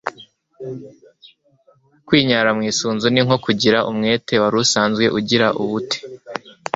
kwinyara mu isunzu ni nko kugira umwete warusanzwe ugira ubute